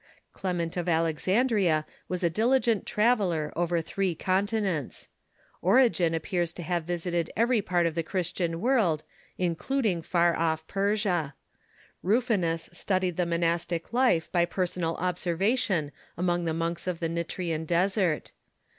Clement of Alexandria was a diligent traveller over three continents. Origen appears to have visited every part of the Christian world, including far off Persia. Rufinus studied the monastic life by personal observation among the monks of the Nitrian desert.